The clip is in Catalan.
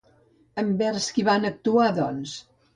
Envers qui van actuar, doncs?